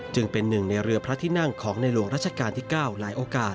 จึงเป็นหนึ่งในเรือพระที่นั่งของในหลวงรัชกาลที่๙หลายโอกาส